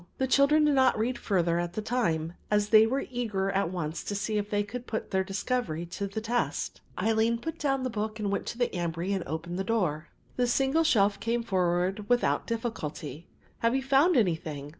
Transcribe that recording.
The children did not read further at that time, as they were eager at once to see if they could put their discovery to the test. Aline put down the book and went to the ambry and opened the door. The single shelf came forward without difficulty. "Have you found anything?"